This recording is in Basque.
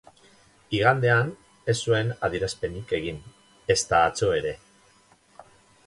Igandean ez zuen adierazpenik egin, ezta atzo ere.